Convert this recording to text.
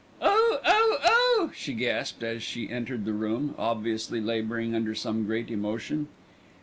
"Oh! Oh!! Oh!!!" she gasped, as she entered the room, obviously labouring under some great emotion.